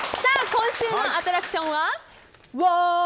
今週のアトラクションは